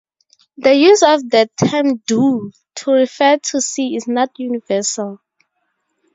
The use of the term "Do" to refer to C is not universal.